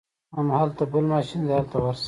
هغلته بل ماشین دی هلته ورشه.